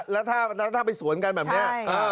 แล้วถ้าไปสวนกันแบบนี้